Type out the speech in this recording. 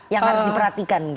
yang harus diperhatikan mungkin